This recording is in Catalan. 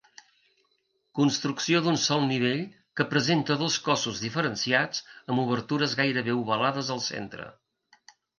Construcció d'un sol nivell que presenta dos cossos diferenciats, amb obertures gairebé ovalades al centre.